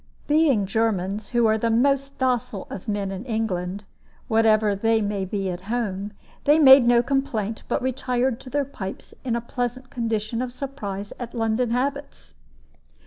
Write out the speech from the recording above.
Being Germans, who are the most docile of men in England, whatever they may be at home, they made no complaint, but retired to their pipes in a pleasant condition of surprise at London habits.